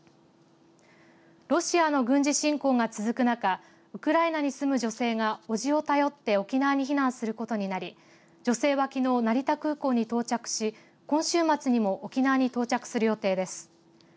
ロシアの軍事侵攻が続く中ウクライナに住む女性が叔父を頼って沖縄に避難することになり女性はきのう成田空港に到着し今週末にも沖縄に到着する予定です。